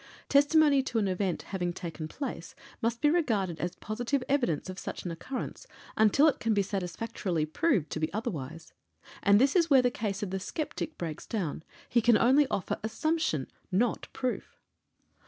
Testimony to an event having taken place must be regarded as positive evidence of such an occurrence, until it can be satisfactorily proved to be otherwise and this is where the case of the sceptic breaks down; he can only offer assumption, not proof.